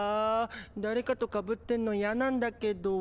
誰かとカブってんのヤなんだけど。